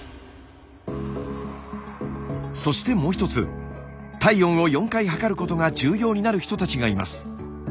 そしてもう一つ体温を４回測ることが重要になる人たちがいます。